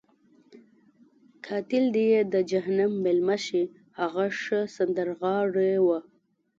قاتل دې یې د جهنم میلمه شي، هغه ښه سندرغاړی وو.